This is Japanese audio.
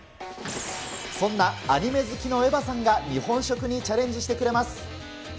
そんなアニメ好きのエヴァさんが、日本食にチャレンジしてくれます。